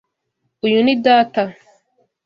Uyu ni data.